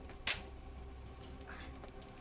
dia tentang penyesuaian